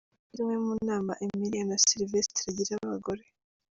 Izi ni zimwe mu nama Emiliana Silvestri agira abagore.